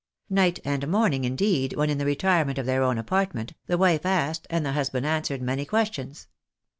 Night and morning, indeed, when in the retirement of their own apartment, the wife asked, and the husband answered, many questions.